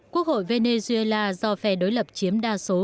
quốc hội venezuela do phe đối lập chiếm đa số